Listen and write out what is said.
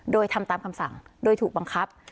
โดยทำตามคำสั่งโดยถูกบังคับ